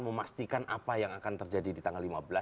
memastikan apa yang akan terjadi di tanggal lima belas